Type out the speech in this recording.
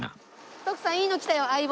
徳さんいいの来たよ相棒。